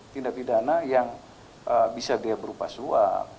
tindak pidana yang bisa dia berupa suap